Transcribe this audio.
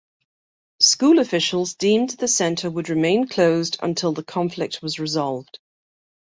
School officials deemed the center would remain closed until the conflict was resolved.